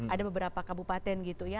ada beberapa kabupaten gitu ya